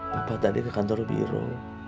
papa tadi ke kantor biru